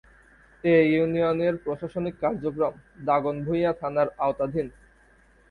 এ ইউনিয়নের প্রশাসনিক কার্যক্রম দাগনভূঞা থানার আওতাধীন।